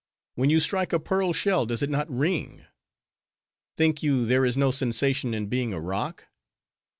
When you strike a pearl shell, does it not ring? Think you there is no sensation in being a rock?